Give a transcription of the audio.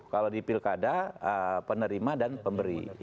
kalau di pilkada penerima dan pemberi